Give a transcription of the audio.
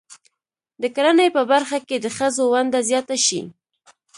د کرنې په برخه کې د ښځو ونډه زیاته شي.